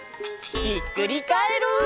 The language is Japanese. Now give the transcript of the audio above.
ひっくりカエル！